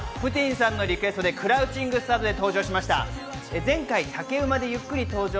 さんのリクエストでクラウチングスタートで登場しました。